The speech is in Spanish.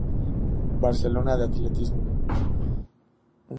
Barcelona de atletismo.